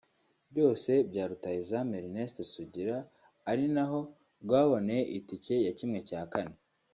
byose bya rutahizamu Ernest Sugira ari naho rwaboneye itike ya ¼